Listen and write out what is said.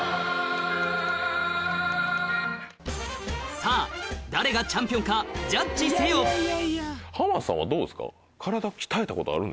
さぁ誰がチャンピオンかジャッジせよ濱田さんはどうですか？